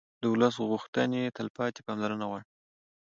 د ولس غوښتنې تلپاتې پاملرنه غواړي